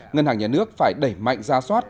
ngân hàng nhà nước phải đẩy mạnh ra soát